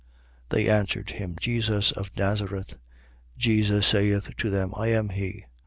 18:5. They answered him: Jesus of Nazareth. Jesus saith to them: I am he.